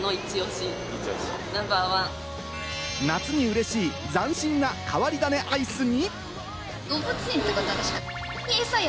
夏に嬉しい斬新な変わり種アイスに。